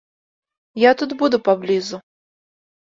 Я тут буду паблізу.